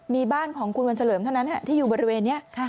มีบ้านของคุณวันเฉลิมเท่านั้นที่อยู่บริเวณนี้